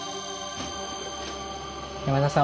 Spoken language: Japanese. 山田さん